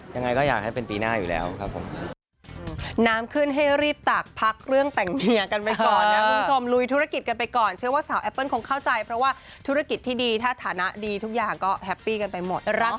ยังไงก็อยากให้เป็นปีหน้าอยู่แล้วครับผม